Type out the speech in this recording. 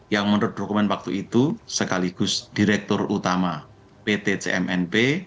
yang menurut dokumen waktu itu sekaligus direktur utama pt cmnp